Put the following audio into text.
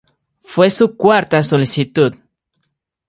Fue su cuarta solicitud.